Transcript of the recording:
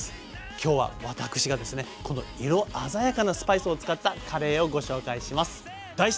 今日は私がですねこの色鮮やかなスパイスを使ったカレーをご紹介します。